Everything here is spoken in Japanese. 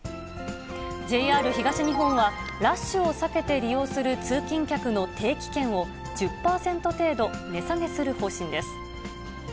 ＪＲ東日本は、ラッシュを避けて利用する通勤客の定期券を、１０％程度値下げする方針です。